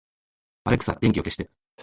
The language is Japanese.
アレクサ、電気を消して